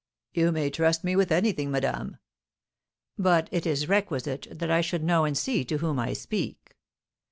"You may trust me with anything, madame. But it is requisite that I should know and see to whom I speak."